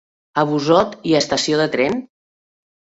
A Busot hi ha estació de tren?